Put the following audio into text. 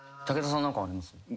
武田さんは何かあります？